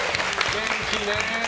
元気ね。